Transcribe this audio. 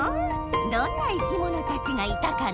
どんないきものたちがいたかのう？